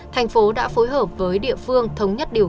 thành phố đã phối hợp với địa phương thống nhất địa phương